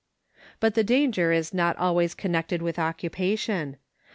But the danger is not al ways connected with occupation.